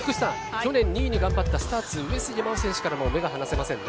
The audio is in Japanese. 去年２位に頑張ったスターツ上杉真穂選手からも目が離せませんね。